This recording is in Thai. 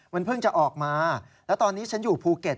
มันเพิ่งจะออกมาแล้วตอนนี้ฉันอยู่ภูเก็ต